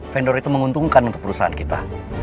vendor itu menguntungkan untuk perusahaan kita